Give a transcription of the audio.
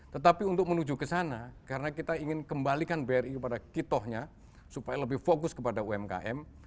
tetapi untuk menuju ke sana karena kita ingin kembalikan bri kepada kitohnya supaya lebih fokus kepada umkm